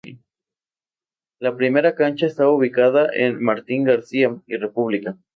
La primera cancha estaba ubicada en Martín García y República.